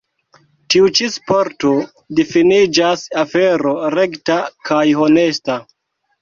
Tiu ĉi sporto difiniĝas afero rekta kaj honesta.